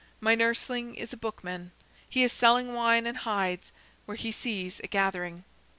My nursling is a bookman. He is selling wine and hides Where he sees a gathering."